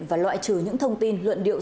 và loại trừ những thông tin luận điệu